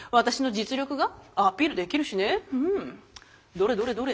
どれどれどれ？